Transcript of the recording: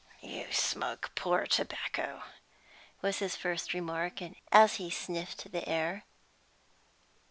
"You smoke poor tobacco," was his first remark, as he sniffed the air.